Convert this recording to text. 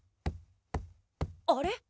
あれ？